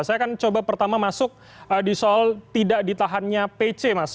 saya akan coba pertama masuk di soal tidak ditahannya pc mas